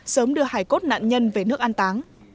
sớm đưa hải cốt nạn nhân về nước an táng